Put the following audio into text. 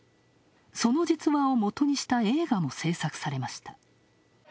その実話をもとにした映画も制作されました。